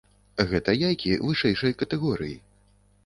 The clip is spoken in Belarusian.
Гэта яйкі вышэйшай катэгорыі.